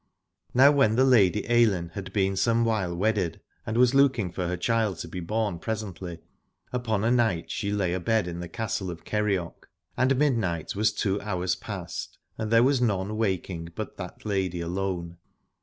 Now when the Lady Ailinn had been some while wedded, and was looking for her child to be born presently, upon a night she lay abed in the castle of Kerioc : and midnight was two hours past and there was none waking but that lady alone.